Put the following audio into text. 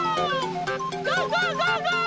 ゴーゴーゴーゴー！